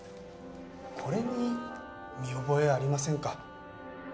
これに見覚えありませんか？